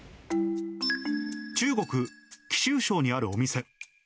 中国・貴州省にあるお店。